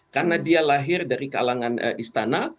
karena dia lahir dari kalangan istana